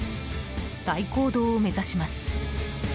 大講堂を目指します。